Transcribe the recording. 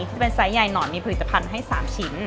ที่เป็นไซส์ใหญ่หนอนมีผลิตภัณฑ์ให้๓ชิ้น